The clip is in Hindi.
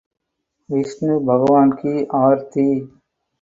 विष्णु भगवान की आरती